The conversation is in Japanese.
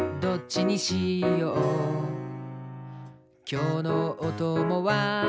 「きょうのおともは」